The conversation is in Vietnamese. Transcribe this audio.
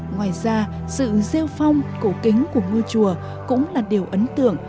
ngoài ra sự rêu phong cổ kính của ngôi chùa cũng là điều ấn tượng